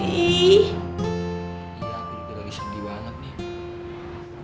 iya aku juga lagi sedih banget nih